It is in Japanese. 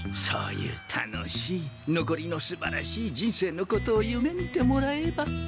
そういう楽しいのこりのすばらしい人生のことをゆめみてもらえば。